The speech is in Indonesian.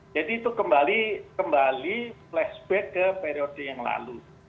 jadi itu kembali flashback ke periode yang lalu